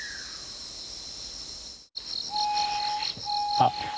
あっ！